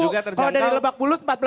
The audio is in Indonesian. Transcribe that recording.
kalau dari lebak bulut